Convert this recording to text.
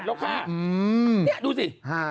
นี่ดูสิ